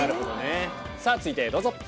続いてどうぞ。